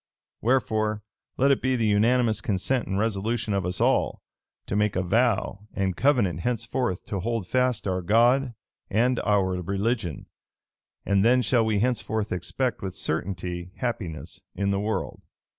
Wherefore, let it be the unanimous consent and resolution of us all, to make a vow and covenant henceforth to hold fast our God and our religion; and then shall we henceforth expect with certainty happiness in this world."